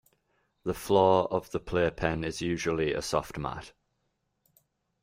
The floor of the playpen is usually a soft mat.